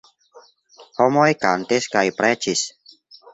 Homoj kantis kaj preĝis.